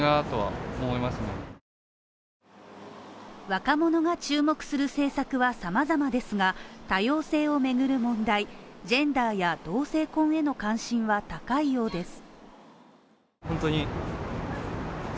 若者が注目する政策はさまざまですが多様性を巡る問題、ジェンダーや同性婚への関心は高いようです。